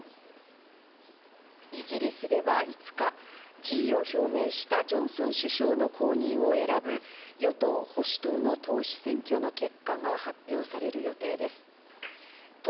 イギリスでは５日、辞意を表明したジョンソン首相の後任を選ぶ与党・保守党の党首選挙の結果が発表される予定です。